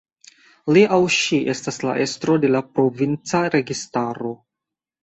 Li aŭ ŝi estas la estro de la provinca registaro.